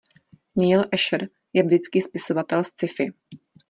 Neal Asher je britský spisovatel sci-fi.